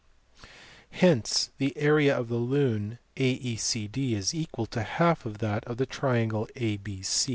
Hence the area of the lime AECD is equal to half that of the triangle ABC.